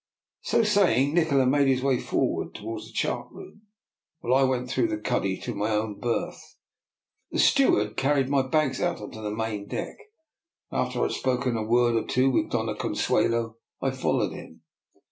So saying, Nikola made his way forward towards the chart room, while I went through the cuddy to my own berth. The steward carried my bags out on to the main deck, and, after I had spoken a word or two with Doiia Consuelo, I followed him.